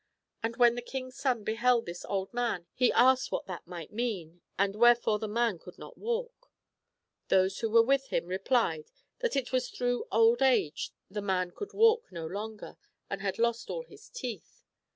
And when the king's son beheld this old man he asked what that might mean, and wherefore the man could not walk ? Those who were him replied thas it was through old age the man could walk no longer, and had lost all his teeth.